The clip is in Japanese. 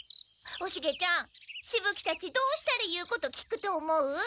おシゲちゃんしぶ鬼たちどうしたら言うこと聞くと思う？